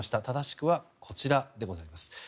正しくはこちらでございます。